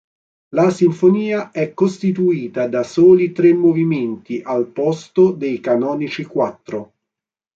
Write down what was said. La sinfonia è costituita da soli tre movimenti al posto dei canonici quattro.